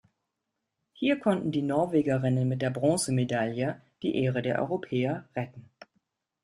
Hier konnten die Norwegerinnen mit der Bronzemedaille die Ehre der Europäer retten.